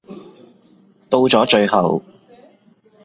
到咗最後